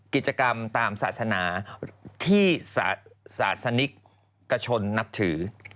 กิจกรรมตามศาสนาที่ศาสนิกชนนับถือ